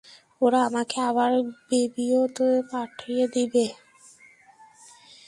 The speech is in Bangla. ওরা আমাকে আবার বেভিউ তে পাঠিয়ে দিবে।